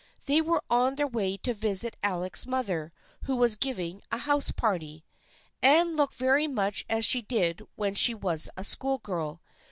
They were on their way to visit Alec's mother, who was giving a house party. Anne looked very much as she did when she was a schoolgirl.